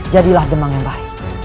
jadilah demang yang baik